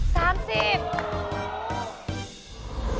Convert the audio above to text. เอาละ